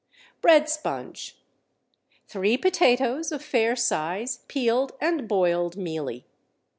Bread Sponge. Three potatoes of fair size, peeled and boiled mealy.